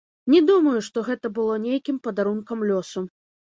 Не думаю, што гэта было нейкім падарункам лёсу.